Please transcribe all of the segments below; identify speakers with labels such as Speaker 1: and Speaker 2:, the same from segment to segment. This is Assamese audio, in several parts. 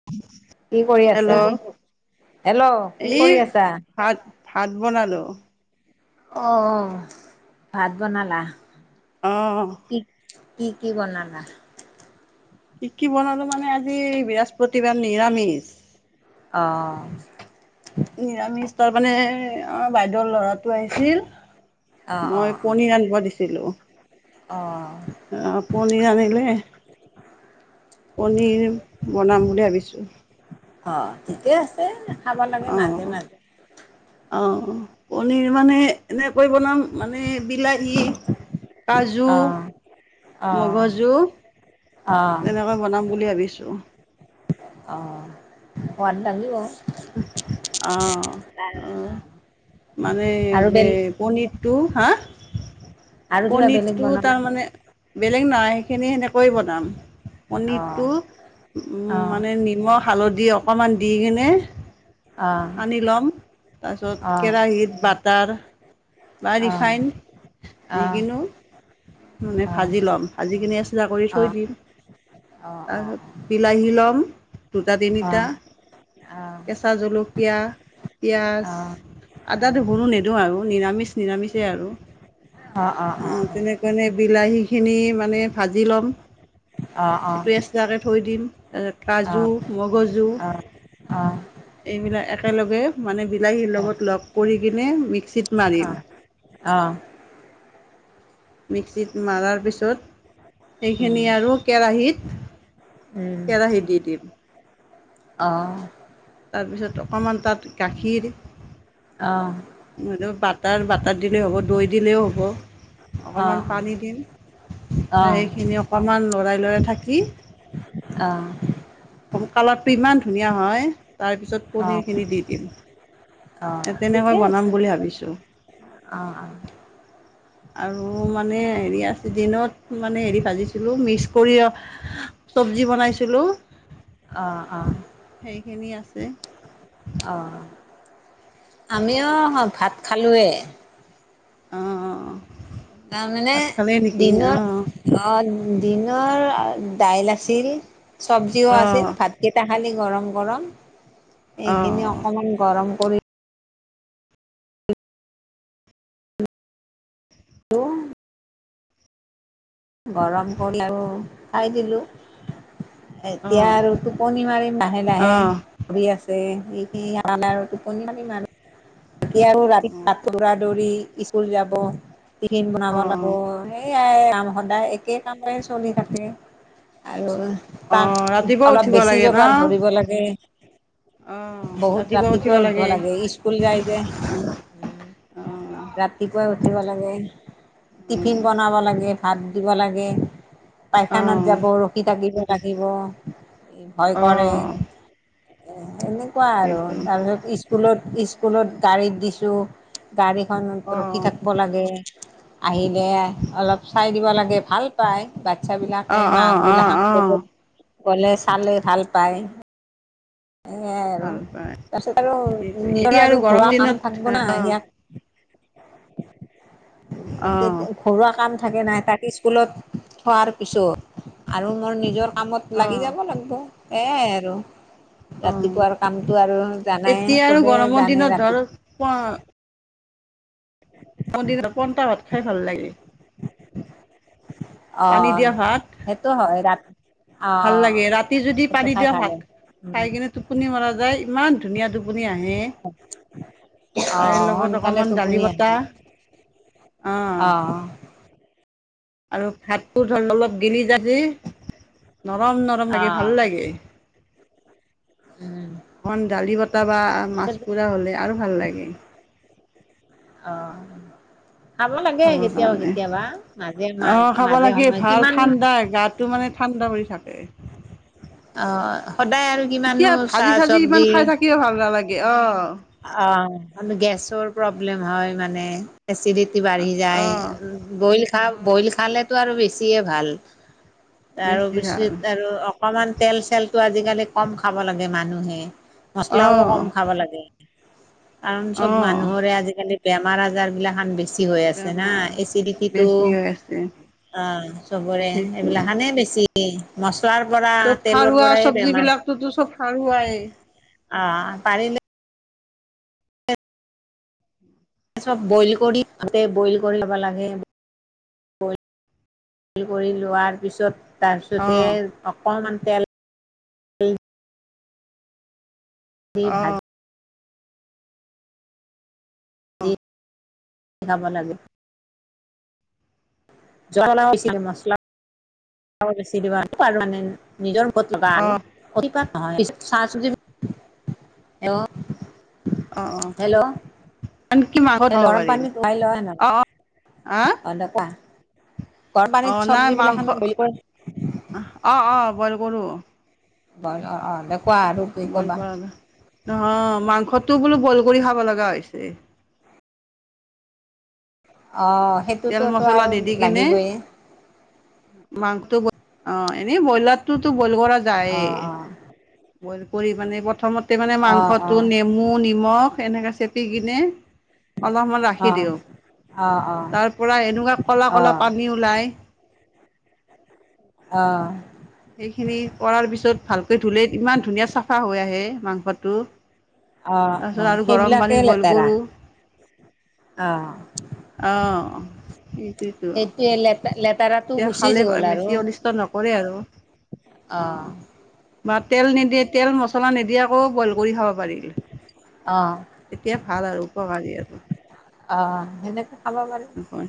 Speaker 1: অ
Speaker 2: কি কৰি আছা? হেল্ল! কি
Speaker 1: এই
Speaker 2: কৰি আছা?
Speaker 1: ভাত ভাত বনালোঁ।
Speaker 2: অঁ, অঁ ভাত বনালা?
Speaker 1: অঁ।
Speaker 2: কি কি কি বনালা?
Speaker 1: কি কি বনালো মানে আজি বৃহস্পতিবাৰ নিৰামিষ।
Speaker 2: অঁ।
Speaker 1: নিৰামিষ তাৰ মানে আমাৰ বাইদেউৰ ল'ৰাটো আহিছিল
Speaker 2: অ',
Speaker 1: মই পনীৰ আনীব দিছিলোঁ।
Speaker 2: অঁ।
Speaker 1: অঁ, পনীৰ আনিলে পনীৰ বনাম বুলি ভাবিছোঁ!
Speaker 2: অঁ, ঠিকে আছে। খাব লাগে মাজে মাজে।
Speaker 1: অ'। পনীৰ মানে এনেকৈ বনাম, মানে বিলাহী। কাজু,
Speaker 2: অ', অ',
Speaker 1: মগজু।
Speaker 2: অ',
Speaker 1: তেনেকৈ বনাম বুলি ভাবিছোঁ।
Speaker 2: অ' সোৱাদ লাগিব।
Speaker 1: অ', অহ, মানে
Speaker 2: আৰু
Speaker 1: বে
Speaker 2: বেলেগ
Speaker 1: পনীৰটো, হা।
Speaker 2: আৰু কিবা বেলেগ
Speaker 1: পনীৰটো
Speaker 2: বনাবা নেকি?
Speaker 1: তাৰমানে, বেলেগ নাই সেইখিনি সেনেকৈয়ে বনাম।
Speaker 2: অ',
Speaker 1: পনীতটো উম,
Speaker 2: অ',
Speaker 1: মানে নিমখ, হালধি অকমান দি কিনে
Speaker 2: অ',
Speaker 1: সানি ল'ম,
Speaker 2: অ',
Speaker 1: তাৰপিছত
Speaker 2: অ',
Speaker 1: কেৰাহিত বাটাৰ। বা
Speaker 2: অ',
Speaker 1: ৰিফাইন
Speaker 2: অ', অ',
Speaker 1: যিকোনো। মানে ভাজি ল'ম, ভাজি কিনে এক্সট্ৰা কৰি থৈ দিম। আৰু
Speaker 2: অ',
Speaker 1: বিলাহী ল'ম দুটা
Speaker 2: অ',
Speaker 1: তিনিটা।
Speaker 2: অ', অ',
Speaker 1: কেঁচা জলকীয়া, পিঁয়াজ। আদা-নহুৰো নিদেও আৰু নিৰামিষ নিৰামিষেই আৰু।
Speaker 2: অ', অ', অ'।
Speaker 1: মানে বিলাহীখিনি মানে ভাজি ল'ম [unintelligible] [unintelligible] কৈ থৈ দিম, তাৰপিছত কাজু মগজু এইবিলাক একেলগে মানে বিলাহীৰ লগত লগ কৰি কিনে মিক্সিত মাৰিম।
Speaker 2: অ'।
Speaker 1: মিক্সিত মাৰাৰ পিছত সেইখিনি আৰু কেৰাহীত
Speaker 2: উম,
Speaker 1: কেৰাহী দি দিম
Speaker 2: অ'।
Speaker 1: তাৰপিছত অকণমান তাত গাখীৰ
Speaker 2: অ'।
Speaker 1: বাটাৰ, বাটাৰ দিলেও হ'ব, দৈ দিলেও হ'ব। অকণমান পানী দিম, সেইখিনি অকণমান লৰাই লৰাই থাকি।
Speaker 2: অ'।
Speaker 1: কালাৰটো ইমান ধুনীয়া হয়, তাৰ পিছত পনীৰ খিনি দি দিম। এ, তেনেকৈ
Speaker 2: ঠিকে
Speaker 1: বনাম
Speaker 2: আছে
Speaker 1: বুলি ভাবিছো।
Speaker 2: অঁ অঁ
Speaker 1: আৰু মানে হেৰি আছে দিনত মানে হেৰি ভাজিছিলোঁ, মিক্স কৰি চব্জি বনাইছিলো,
Speaker 2: অঁ অঁ
Speaker 1: সেইখিনি আছে।
Speaker 2: অ', আমিও ভাত খালোৱেই।
Speaker 1: অ', অ', অ'।
Speaker 2: তাৰমানে
Speaker 1: অঁ
Speaker 2: দিনত অ' দিনৰ দাইল আছিল, চব্জিও
Speaker 1: অঁ
Speaker 2: আছিল, ভাত কেইটা খালি গৰম গৰম,
Speaker 1: অঁ
Speaker 2: এইখিনি
Speaker 1: অঁ
Speaker 2: অকমান গৰম কৰি [unintelligible] গৰম কৰি [unintelligible] খাই দিলো। এতিয়া
Speaker 1: অঁ
Speaker 2: আৰু টোপনি মাৰিম লাহে লাহে।
Speaker 1: অঁ
Speaker 2: আছে [unintelligible] আৰু টোপনি [inaudible] দৌৰা দৌৰি স্কুল যাব, টিফিন বনাব
Speaker 1: অঁ অঁ
Speaker 2: লাগিব সেয়াই [unintelligible] সদায় একে কামেই চলি থাকে আৰু তাক
Speaker 1: অঁ ৰাতিপুৱা
Speaker 2: অলপ
Speaker 1: উঠিব
Speaker 2: বেছি
Speaker 1: লাগে ন
Speaker 2: জোগাৰ ধৰিব লাগে।
Speaker 1: অঁ
Speaker 2: বহুত
Speaker 1: ৰাতিপুৱা উঠিব
Speaker 2: ৰাতিপুৱাই উধবো লাগে স্ক স্কুল যায় যে, উম,
Speaker 1: অঁ
Speaker 2: ৰাতিপুৱাই উঠিব লাগে। টিফিন বনাব লাগে, ভাত দিব লাগে। পাইখানাত
Speaker 1: অঁ
Speaker 2: যাব ৰখি থাকিব লাগিব, এ ভয় কৰে।
Speaker 1: অঁ
Speaker 2: এ এনেকুৱা আৰু
Speaker 1: সেইটো
Speaker 2: তাৰপিছত স্কুলত, স্কুলত গাড়ীত দিছো। গাড়ীখনত
Speaker 1: অঁ
Speaker 2: ৰখি থাকিব লাগে আহিলে অলপ চাই দিব লাগ গে ভাল পায় বাচ্ছা বিলাকে
Speaker 1: অঁ
Speaker 2: মাক
Speaker 1: অঁ অঁ
Speaker 2: বিলাখন
Speaker 1: অঁ
Speaker 2: লগত গ'লে চালে ভাল পায়। সেইয়াই আৰু
Speaker 1: ভাল পায়
Speaker 2: তাৰপিছত আৰু
Speaker 1: সেইটো
Speaker 2: নিজৰ
Speaker 1: এতিয়া
Speaker 2: আৰু ঘৰুৱা
Speaker 1: গৰমৰ
Speaker 2: কাম
Speaker 1: দিনত
Speaker 2: থাকিব না
Speaker 1: অঁ
Speaker 2: ইয়াত
Speaker 1: অ',
Speaker 2: [unintelligible] ঘৰুৱা কাম থাকে না তাক স্কুলত থোৱাৰ পিছত আৰু মোৰ নিজৰ কামত লাগি
Speaker 1: অ',
Speaker 2: যাব লাগব এয়াই আৰু।
Speaker 1: অ'
Speaker 2: ৰাতিপুৱাৰ কামটো আৰু জানাই
Speaker 1: এতিয়া আৰু
Speaker 2: চবেই
Speaker 1: গৰমৰ
Speaker 2: জানে
Speaker 1: দিনত ধৰ
Speaker 2: ৰাতিপুৱা
Speaker 1: ৱ গৰম দিনত পন্টা ভাত খাই ভাল লাগে। পানী
Speaker 2: অ'
Speaker 1: দিয়া ভাত
Speaker 2: সেইটো হয় ৰাত
Speaker 1: ভাল
Speaker 2: অ',
Speaker 1: লাগে ৰাতি যদি
Speaker 2: সেইটো
Speaker 1: পানী
Speaker 2: খাই
Speaker 1: দিয়া
Speaker 2: ভালে
Speaker 1: ভাত
Speaker 2: উম,
Speaker 1: খাই কিনে টোপনি মৰা যায় ইমান ধুনীয়া টোপ পনি আহে
Speaker 2: অ',
Speaker 1: তাৰে লগত
Speaker 2: সোনকালে
Speaker 1: অকণমান
Speaker 2: টোপনি
Speaker 1: দালি বটা
Speaker 2: আহে অ'।
Speaker 1: আৰু ভাতটো ধৰ অলপ গিলি যায় যি নৰম নৰম লাগে,
Speaker 2: অ',
Speaker 1: ভাল লাগে।
Speaker 2: উম,
Speaker 1: অন দালি বতা বা মাছ
Speaker 2: পিছত
Speaker 1: পোৰা হলে আৰু ভাল লাগে
Speaker 2: অ খাব লাগে
Speaker 1: খাবৰ
Speaker 2: কেতিয়াও
Speaker 1: কাৰণে।
Speaker 2: কেতিয়াবা মাজে মাজ মাজে সময় কিমান
Speaker 1: হয় গাত টো মানে ঠাণ্ডা পৰি থাকে
Speaker 2: অ সদায় আল
Speaker 1: এতিয়া ভাজি চাজি ইমান খাই থাকিও ভাল নালাগে অ
Speaker 2: আ অ অম গেছৰ প্ৰব্লেম হয় মানে এচিডিটি বাঢ়ি যায়
Speaker 1: অঁ
Speaker 2: উম বইল খা
Speaker 1: অঁ
Speaker 2: বইল খালেতো আৰু বেছিয়ে ভাল
Speaker 1: বেছি ভাল
Speaker 2: তাৰোপিছত আৰু অ কমান তেল চেলটো আজিকালি কম খাব লাগে মানুহে মচলাও
Speaker 1: অঁ
Speaker 2: কম খাব লাগে কাৰণ চব
Speaker 1: অঁ
Speaker 2: মানুহৰে আজিকালি বেমাৰ-আজাৰ বিলাখন বেছ ছি হৈ আছে না
Speaker 1: বেমাৰ
Speaker 2: এচিডিটিটো
Speaker 1: বেছি হৈ আছে
Speaker 2: অ চবৰে
Speaker 1: সেইটো
Speaker 2: এইবিলাকখানে বেছি মছলাৰ পৰা তেলৰ পৰাই বেমাৰ
Speaker 1: টোতো চব সাৰুৱাই
Speaker 2: আ পাৰিলে চব বইল কৰি তে বইল কৰি লবা লাগে বইল কৰি লোৱাৰ পিছত তাৰপিছতে
Speaker 1: অঁ
Speaker 2: অকমান তেল দি ভাজ
Speaker 1: অঁ অ
Speaker 2: সিজাব লাগে জ্বলাও বেছিকে মছলাও দিব নালাগে মানে নিজৰ মুখত লগা আৰু
Speaker 1: অঁ
Speaker 2: অতিপাত নহয় তাৰপিছতে [inaudible]
Speaker 1: অ অ কি ম আগত
Speaker 2: এই
Speaker 1: হব
Speaker 2: গৰম
Speaker 1: পাৰিল
Speaker 2: পানীত উহাই লোৱা
Speaker 1: অ অ হা [inaudible]
Speaker 2: অ দে কোৱা গৰম পানীত চব্জি বিলাখন বইল কৰ
Speaker 1: অ অ বইল কৰো
Speaker 2: বইল অ অঁ দে কোৱা আৰু কি ক'বা
Speaker 1: নহ মাংসটোও বোলো বইল কৰি খাব লগা হৈছে
Speaker 2: অঁ
Speaker 1: তেল
Speaker 2: সেইটোতোতো টো
Speaker 1: মছলা
Speaker 2: আৰু
Speaker 1: দি দি কিনে
Speaker 2: লাগিবই।
Speaker 1: মাংসটো ব অঁ এনেই বইলাৰটোতো বইল কৰা
Speaker 2: অ
Speaker 1: যায়েই।
Speaker 2: অ
Speaker 1: বইল কৰি মানে প্ৰথমতে মানে
Speaker 2: অ অ
Speaker 1: মাংসটো নেমু-নিমখ এনেকে চেপি কিনে- অলপমান
Speaker 2: অ
Speaker 1: ৰাখি দিওঁ
Speaker 2: অ অ
Speaker 1: তাৰ পৰা এনেকুৱা ক'লা
Speaker 2: অ
Speaker 1: ক'লা পানী ওলাই-
Speaker 2: অঁ'
Speaker 1: সেইখিনি কৰাৰ পিছত ভালকে ধুলে ইমান ধুনীয়া চাফা হৈ আহে মাংসটো।
Speaker 2: অ
Speaker 1: তাপাছত আৰু গৰম
Speaker 2: সেইবিলাকেই
Speaker 1: পানীত বইল
Speaker 2: লেতেৰা
Speaker 1: কৰো।
Speaker 2: অ
Speaker 1: অঁ' সেইটোৱেতো
Speaker 2: সেইটোৱে লেপে লেপ- তাৰা তো
Speaker 1: এতিয়া
Speaker 2: গুচি
Speaker 1: খালে
Speaker 2: গ'ল আৰু
Speaker 1: বেছি অনিষ্ট নকৰে আৰু
Speaker 2: অঁ।
Speaker 1: বা তেল নিদিয়ে তেল-মছলানিদিয়াকৈয়ো বইল কৰি খাব পাৰি।
Speaker 2: অ
Speaker 1: এতিয়া ভাল আৰু উপকাৰী এইটো,
Speaker 2: অ সেনেকে খাব
Speaker 1: নহয়।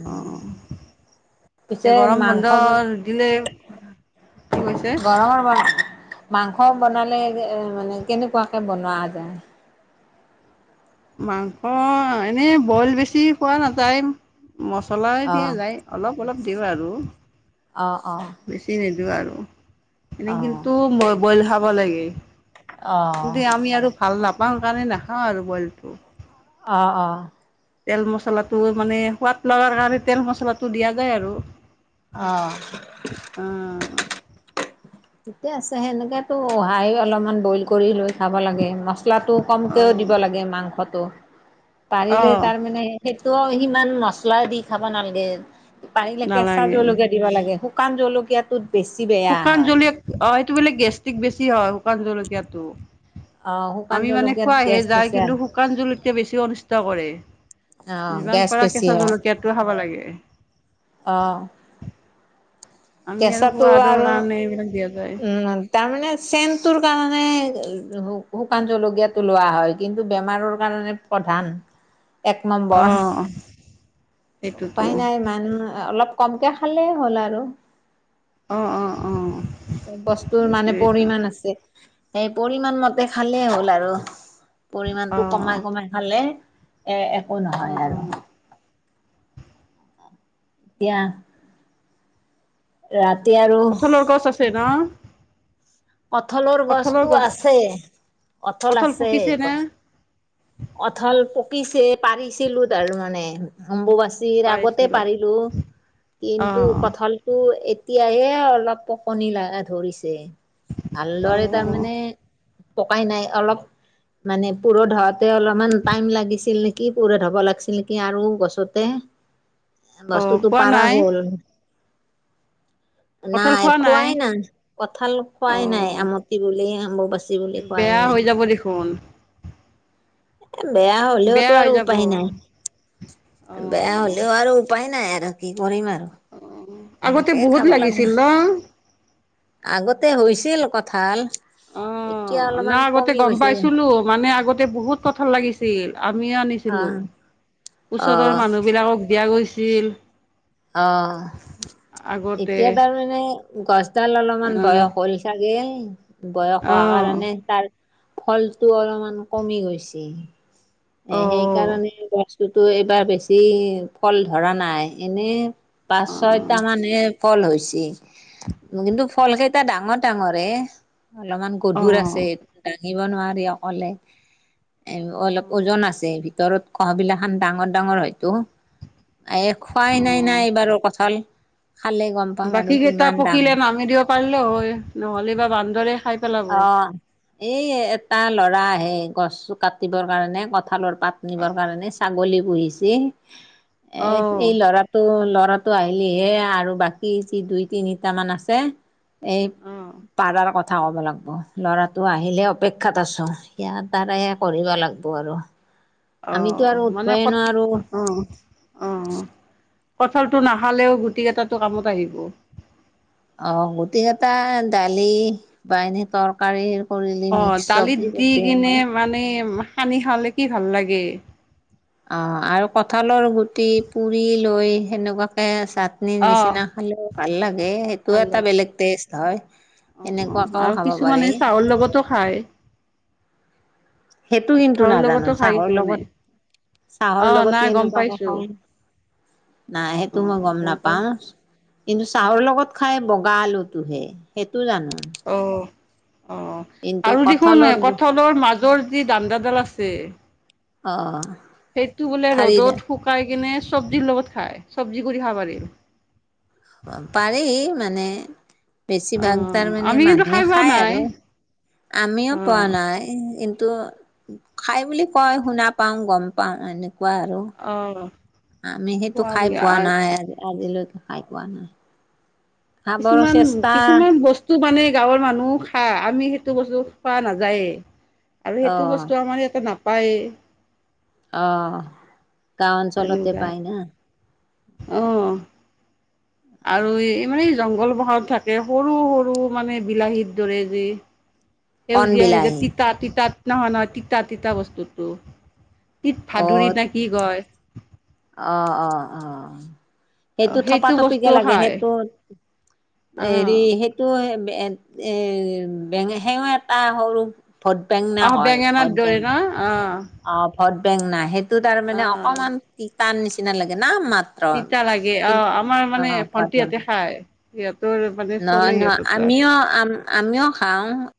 Speaker 2: উম' পিছে
Speaker 1: এতিয়া গৰম বন্ধ
Speaker 2: মাংস বন-
Speaker 1: দিলে কি কৈছে
Speaker 2: গৰমৰ বন- মাংস বনালে মানে কেনেকুৱাকে বনোৱা যায়।
Speaker 1: মাংস এনেই বইল বেছি পোৱা নাযায় মছলাই দিয়া
Speaker 2: অ',
Speaker 1: যায়। অলপ অলপ দিওঁ আৰু।
Speaker 2: অঁ অঁ।
Speaker 1: বেছি নিদিওঁ আৰু, এনেই
Speaker 2: অ'।
Speaker 1: কিন্তু মই বইল খাব লাগে। দে আমি আৰু ভাল নাপাওঁ সেকাৰণে নাখাওঁ আৰু বইলটো।
Speaker 2: অঁ অঁ।
Speaker 1: তেল মছলাটো মানে সোৱাদ লগাৰ কাৰণে তেল মচলাটো দিয়া যায় আৰু।
Speaker 2: অঁ'
Speaker 1: অঁ অঁ।
Speaker 2: ঠিকে আছে সেনেকেতো আহি অলপমান বইল কৰি লৈ খাব লাগে। মাছ- লাটো কমকেও দিব
Speaker 1: অ',
Speaker 2: লাগে মাংসটো, পাৰিলে
Speaker 1: অ',
Speaker 2: তাৰ মানে এই- সেইটো সিমান মছলা দি খাব নালাগে, পাৰিলে কেঁচা
Speaker 1: নালাগে
Speaker 2: জলকীয়া- দিব লাগে, শুকান জলকীয়াটোত- বেছি বেয়া
Speaker 1: শুকান
Speaker 2: হয়।
Speaker 1: জ্বলি অ' এইটো বোলে গেষ্ট্ৰিক বেছি হয় শুকান জলকীয়াটো।
Speaker 2: অ', শুকান
Speaker 1: আমি মানে
Speaker 2: জলকীয়াত
Speaker 1: খোৱাহে
Speaker 2: গেছ
Speaker 1: যায়,
Speaker 2: বেছি
Speaker 1: কিন্তু
Speaker 2: হয়।
Speaker 1: শুকান জলকীয়া যে বেছি অনিষ্ট কৰে।
Speaker 2: অ',
Speaker 1: যিমান
Speaker 2: গেছ
Speaker 1: পাৰা
Speaker 2: বেছি
Speaker 1: কেঁচা জলকীয়াটোৱে খাব লাগে।
Speaker 2: অঁ'
Speaker 1: আমি আৰু
Speaker 2: কেচাটো
Speaker 1: সোৱাদৰ
Speaker 2: আৰু,
Speaker 1: কাৰণে এইবিলাক দিয়া যায়।
Speaker 2: উম- তাৰমানে চেণ্টোৰ কাৰণে শুকান জলকীয়াটো লোৱা হয়, কিন্তু বেমাৰৰ কাৰণে- প্ৰধান-
Speaker 1: [inaudible]
Speaker 2: এক নম্বৰ,
Speaker 1: অ' সেইটোতো
Speaker 2: উপায় নাই মানুহ- অলপ কমকে খালে হ'ল আৰু।
Speaker 1: অঁ অঁ অঁ।
Speaker 2: চব বস্তুৰ মানে পৰিমাণ আছে, সেই পৰিমণ মতে খালেই হ'ল আৰু। পৰিমণটো কমাই
Speaker 1: অ'
Speaker 2: কমাই খালে, এ একো
Speaker 1: অ'
Speaker 2: নহয় আৰু।
Speaker 1: অ'
Speaker 2: এতিয়া- ৰাতি
Speaker 1: উম,
Speaker 2: আৰু
Speaker 1: কঁঠালৰ গছ আছে ন?
Speaker 2: কঁঠলৰ
Speaker 1: কঁঠালৰ
Speaker 2: গছটো
Speaker 1: গছ
Speaker 2: আছেই, কঁঠাল আছেই
Speaker 1: পকিছে নে?
Speaker 2: গছ। কঁঠল পকিছে পাৰিছিলো তাৰ মানে অম্বুবাচ- [unintelligible] আগতে
Speaker 1: পাৰিছিলা
Speaker 2: পাৰিলোঁ। কিন্তু,
Speaker 1: অ'
Speaker 2: কঁঠাল তো এতিয়াহে, অলপ পকণি লগা ধৰিছে। ভালদৰে
Speaker 1: অ'
Speaker 2: তাৰমানে, পকাই নাই অলপ। মানে, পূৰঠ হওঁতে অলপমান, টাইম লাগিছিল নেকি, পূৰঠ হ'ব লাগিছিল, নেকি আৰু গছতে।
Speaker 1: [inaudible] অ'
Speaker 2: বস্তুটো
Speaker 1: খোৱা
Speaker 2: পাৰা
Speaker 1: নাই?
Speaker 2: গ'ল।
Speaker 1: কঁঠাল
Speaker 2: নাই,
Speaker 1: খোৱা
Speaker 2: খোৱাই নাই, কঁঠাল খুৱাই নাই।
Speaker 1: অ'
Speaker 2: [unintelligible] বুলি অম্বুবা চী বুলি খুৱাই
Speaker 1: বেয়া
Speaker 2: নাই।
Speaker 1: হৈ যাব দেখোন।
Speaker 2: এ, বেয়া
Speaker 1: বেয়া
Speaker 2: হ'লেওতো
Speaker 1: হৈ
Speaker 2: আৰু
Speaker 1: যাব
Speaker 2: উপায় নাই। বেয়া
Speaker 1: অ'
Speaker 2: হ'লেও আৰু উপায় নাই আৰু কি কৰিম আৰু!
Speaker 1: অ'! আগতে
Speaker 2: এনেকে
Speaker 1: বহুত
Speaker 2: খাব লাগিব
Speaker 1: লাগিছিল ন'?
Speaker 2: আগতে হৈছিল কঁঠাল। এতিয়া
Speaker 1: অ'!
Speaker 2: অলপমান
Speaker 1: নাই আগতে,
Speaker 2: কমি
Speaker 1: গ'ম
Speaker 2: গৈছে
Speaker 1: পাইছিলোঁ। মানে, আগতে বহুত কঁঠাল লাগিছিল! আমি আনি
Speaker 2: অ
Speaker 1: ছিলোঁ।
Speaker 2: অ
Speaker 1: ওচৰৰ মানুহ বিলাকক দিয়া গৈছিল।
Speaker 2: অ'!
Speaker 1: আগতে
Speaker 2: এতিয়া তাৰমানে, গছডাল অলপমান
Speaker 1: আহ
Speaker 2: বয়স হ'ল চাগে, বয়স হোৱা
Speaker 1: অ'
Speaker 2: কাৰণে তাৰ, ফলটো অলপমান কমি গৈছে। এ,
Speaker 1: অ'
Speaker 2: সেইকাৰণে গছটোতো এবাৰ বেছি, ফল ধৰা নাই। এনে,
Speaker 1: অ'
Speaker 2: পাঁচ-ছয়টা মানে, ফল হৈছে। কিন্তু, ফলকেইটা ডাঙৰ-ডাঙৰে। অলপমান
Speaker 1: অ'
Speaker 2: গধুৰ
Speaker 1: অ'
Speaker 2: আছে, দাঙিব নোৱাৰি অকলে। এ, অলপ ওজন আছে। ভিতৰত [unintelligible] বিলা খন ডাঙৰ-ডাঙৰ হয়তো। এ, খুৱাই নাই-নাই, এইবাৰো কঁঠাল। খালে গ'ম পাম আৰু
Speaker 1: বাকী কেইটা
Speaker 2: কিমান
Speaker 1: পকিলে,
Speaker 2: ডাঙৰ
Speaker 1: নামি দিব পাৰিলেও হয়। নহ'লে বা বান্দৰে খাই পেলাব।
Speaker 2: অ'! এই এটা ল'ৰা আহে, গছ কাটিবৰ কাৰণে, কঁঠালৰ পাত নিবৰ কাৰণে, ছাগলী পুহিছে।
Speaker 1: অ'
Speaker 2: এই ল'ৰা ত' ল'ৰাটো আহিলিহে আৰু বাকী যি, দুই- তিনিটামান আছে। এই,
Speaker 1: অ'
Speaker 2: পাৰাৰ কথাৰ ক'ব লাগ অ' ল'ৰাটো আহিলে, অপেক্ষাত আছোঁ। ইয়াৰ তাৰে, কৰিব লাগিব আৰু। আমিতো
Speaker 1: অ'!
Speaker 2: আৰু
Speaker 1: মানে
Speaker 2: উঠবই
Speaker 1: ক'ত?
Speaker 2: নোৱাৰো
Speaker 1: অ'! অ'! কঁঠালটো নাখালেওঁ, গুটি কেইটাটো কামত আহিব।
Speaker 2: অ'! গুটিকেইটা দালি, পানীৰ তৰকাৰী অনলি
Speaker 1: অ'
Speaker 2: মিক্স
Speaker 1: দালিত
Speaker 2: চব্জি,
Speaker 1: দি
Speaker 2: গোটেই
Speaker 1: কিনে
Speaker 2: এনে।
Speaker 1: মানে, সানি খালে কি ভাল লাগে!
Speaker 2: অ'! আৰু কঁঠালৰ গুটি পুৰিলৈ, সেনেকুৱাকে চাট
Speaker 1: অ'।
Speaker 2: নি-নিচিনা খালে, ভাল লাগে। সেইটো,
Speaker 1: ভাল
Speaker 2: এটা
Speaker 1: লাগে
Speaker 2: বেলেগ টেষ্ট হয়।
Speaker 1: অ'
Speaker 2: এনেকুৱাকেও
Speaker 1: আৰু
Speaker 2: খাব
Speaker 1: কিছুমানে,
Speaker 2: পাৰি।
Speaker 1: চাহৰ লগতো খায়।
Speaker 2: সেইটো কিন্তু,
Speaker 1: চাহৰ লগতো
Speaker 2: নাজানোঁ।
Speaker 1: খাই
Speaker 2: চাহৰ
Speaker 1: কিছুমানে
Speaker 2: লগত চাহৰ
Speaker 1: অ'
Speaker 2: লগত
Speaker 1: নাই গম
Speaker 2: কেনেকুৱাকে
Speaker 1: পাইছোঁ
Speaker 2: খাই? নাই, সেইটো
Speaker 1: অ'
Speaker 2: মই গম নাপাওঁ।
Speaker 1: পাইছোঁ।
Speaker 2: কিন্তু, চাহৰ লগত খায়, বগা আলুটোহে। সেইটো জানোঁ।
Speaker 1: অ'! অ'! আৰু দেখোন, এ,
Speaker 2: কঁঠালৰ
Speaker 1: কঁঠালৰ মাজৰ যি, দাণ্ডাডাল আছে।
Speaker 2: অ',
Speaker 1: সেইটো বোলে,
Speaker 2: ঠাৰি
Speaker 1: ৰ'দত শুকাই কিনে, চব্জিৰ লগত খাই, চব্জি কৰি খাব পাৰি।
Speaker 2: পাৰি মানে, বেছিভাগ
Speaker 1: অ'
Speaker 2: তাৰমানে,
Speaker 1: আমি কিন্তু খাই
Speaker 2: মানুহে
Speaker 1: পোৱা
Speaker 2: খায়
Speaker 1: নাই
Speaker 2: আৰু। আমিও পোৱা
Speaker 1: অ'
Speaker 2: নাই। কিন্তু খাই বুলি কয়, শুনা পাওঁ, গম পাওঁ, এনেকুৱা আৰু।
Speaker 1: অঁ।
Speaker 2: আমি সেইটো খাই পোৱা নাই। আজিলৈকে খাই পোৱা নাই। খাবৰ
Speaker 1: কিছুমান
Speaker 2: চেষ্টা
Speaker 1: কিছুমান বস্তু টু মানে গাঁৱৰ মানুহ খায়। আমি সেইটো বস্তু খোৱা নাযায়ে। আৰু
Speaker 2: অ
Speaker 1: সেইটো বস্তু আমাৰ ইয়াতে নাপায়েই।
Speaker 2: অ। গাওঁ অঞ্চলতে
Speaker 1: তেনেকুৱা
Speaker 2: পাই না।
Speaker 1: অঁ। আৰু এই মানে জংঘল পাহাৰত থাকে, সৰু সৰু মানে বিলাহীৰ দৰে যি,
Speaker 2: কণ
Speaker 1: সেউজীয়া সেউজীয়া
Speaker 2: বিলাহী
Speaker 1: তিতা তিতাত নহয় নহয় তিতা তিতা বস্তুতো।
Speaker 2: অত, অঁ অঁ অঁ। সেইটো
Speaker 1: অঁ
Speaker 2: থপা
Speaker 1: বস্তু
Speaker 2: থপিকে লাগে,
Speaker 1: খায়
Speaker 2: সেইটো হেৰি
Speaker 1: অঁ
Speaker 2: সেই তটো এ বেঙ সেও এটা সৰু ভদ [unintelligible]
Speaker 1: অহ বেঙেনাত দৰে ন? অ।
Speaker 2: অ ভোট বেংনা, সেইটো তাৰ মানে
Speaker 1: অঁ
Speaker 2: অকমান তিতা নিচিনা লাগে ন মাত? মন
Speaker 1: তিতা লাগে
Speaker 2: কিন অ
Speaker 1: আমাৰ
Speaker 2: অ।
Speaker 1: মানে ভন্টিহঁতে
Speaker 2: [unintelligible]
Speaker 1: খায় সিহঁতৰ মানে চলে
Speaker 2: নহয়, নহয়
Speaker 1: সিহঁতৰ তাত
Speaker 2: আমিও আমিও খাওঁ।